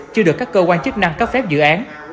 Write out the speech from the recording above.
chưa được các cơ quan chức năng cấp phép dự án